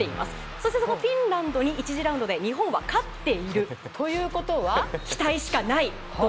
そして、そのフィンランドに１次ラウンドに日本は勝っているということは期待しかない。